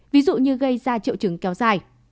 ví dụ như gây ra triệu chứng kéo dài